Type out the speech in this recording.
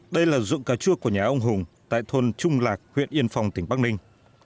đây là dụng cà chua của nhà ông hùng tại thôn trung lạc huyện yên phòng tỉnh bắc ninh